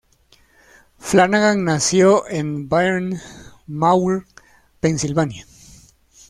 Flanagan nació en Bryn Mawr, Pensilvania.